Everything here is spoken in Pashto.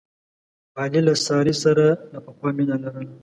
علي له سارې سره له پخوا مینه لرله.